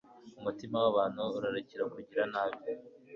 umutima w'abantu urarikira kugira nabi